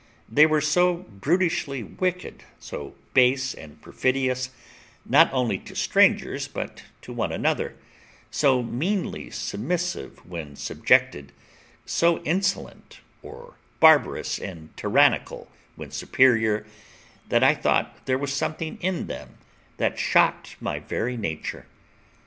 They were so brutishly wicked, so base and perfidious, not only to strangers but to one another, so meanly submissive when subjected, so insolent, or barbarous and tyrannical, when superior, that I thought there was something in them that shocked my very nature.